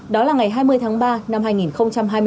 đó là ngày hai mươi tháng ba năm hai nghìn hai mươi bốn